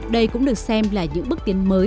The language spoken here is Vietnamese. đây cũng được xem là những bước tiến mới